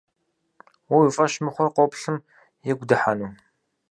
Уэ уи фӀэщ мыхъур къоплъым игу дыхьэну?